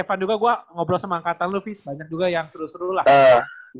evan juga gua ngobrol sama angkatan lu fizz banyak juga yang seru seru lah